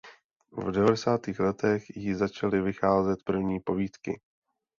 V devadesátých letech jí začaly vycházet první povídky.